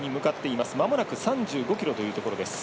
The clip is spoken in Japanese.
まもなく３５ｋｍというところです。